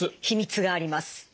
秘密があります。